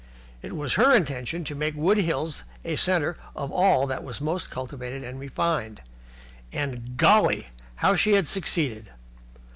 It was her intention to make Wood Hills a centre of all that was most cultivated and refined, and, golly! how she had succeeded.